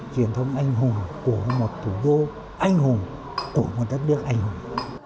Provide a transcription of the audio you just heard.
truyền thống anh hùng của một thủ đô anh hùng của một đất nước anh hùng